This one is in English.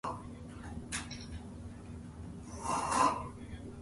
It starred Dana Wynter as Kate Croy.